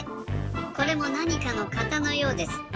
これもなにかの型のようです。